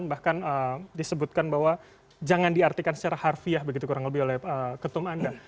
bahkan disebutkan bahwa jangan diartikan secara harfiah begitu kurang lebih oleh ketum anda